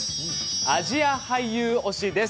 アジア俳優推しです。